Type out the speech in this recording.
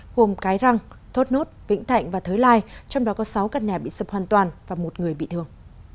gồm cái răng thốt nốt vĩnh thạnh và thới lai trong đó có sáu căn nhà bị sập hoàn toàn và một người bị thương